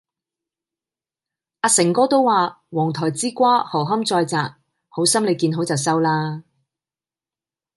阿誠哥都話黃台之瓜何堪再摘，好心妳見好就收啦。